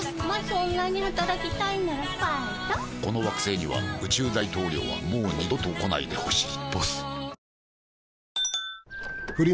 この惑星には宇宙大統領はもう二度と来ないでほしい「ＢＯＳＳ」